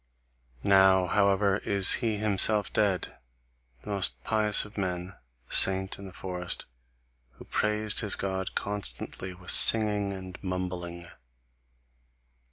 Now, however, is he himself dead, the most pious of men, the saint in the forest, who praised his God constantly with singing and mumbling.